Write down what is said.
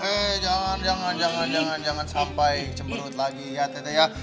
eh jangan jangan jangan jangan jangan sampai cemberut lagi ya tete ya